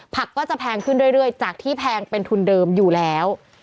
ก็จะแพงขึ้นเรื่อยจากที่แพงเป็นทุนเดิมอยู่แล้ว